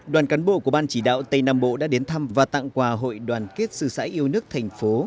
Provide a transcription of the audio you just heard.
đoàn cán bộ của ban chỉ đạo tây nam bộ đã đến thăm và tặng quà hội đoàn kết sư sãi yêu nước thành phố